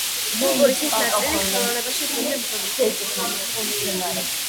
კულტურის ეს ნაწილი ხელოვნებაში დღემდე დომინირებს.